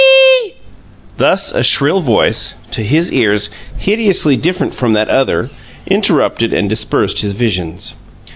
Thus a shrill voice, to his ears hideously different from that other, interrupted and dispersed his visions.